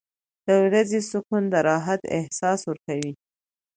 • د ورځې سکون د راحت احساس ورکوي.